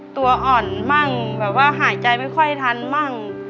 ตัวอ่อนมั่งแบบว่าหายใจไม่ค่อยทันมั่ง